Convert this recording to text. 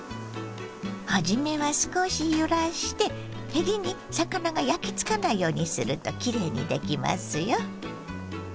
初めは少し揺らしてへりに魚が焼きつかないようにするときれいにできますよ。